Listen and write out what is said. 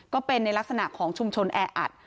ก็เป็นในลักษณะของชุมชนแออัด